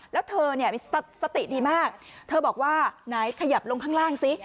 แล้วเธอเนี่ยสติดีมากเธอบอกว่าไหนขยับลงข้างล่างซิ